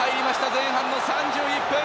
前半３１分！